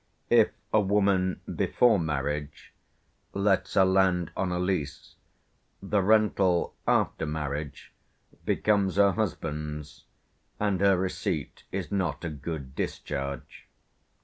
If a woman, before marriage, lets her land on a lease, the rental, after marriage, becomes her husband's, and her receipt is not a good discharge.